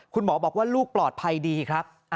คุณหมอบอกว่าลูกปลอดภัยดีครับ